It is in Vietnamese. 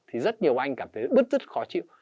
thì rất nhiều anh cảm thấy rất khó chịu